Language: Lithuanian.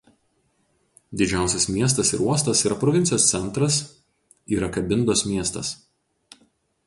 Didžiausias miestas ir uostas yra provincijos centras yra Kabindos miestas.